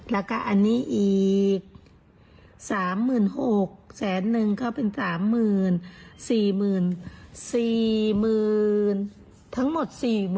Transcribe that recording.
แล้วก็อันนี้อีก๓๖๐๐๐แสนหนึ่งก็เป็น๓๐๐๐๐๔๐๐๐๐๔๐๐๐๐ทั้งหมด๔๖๐๐๐